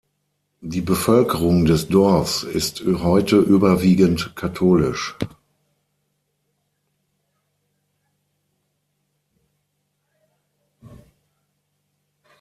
Die Bevölkerung des Dorfs ist heute überwiegend katholisch.